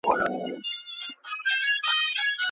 پاڼي پاڼي یم له څانګو پرېوتلی